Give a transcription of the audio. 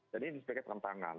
jadi ini sebagai tantangan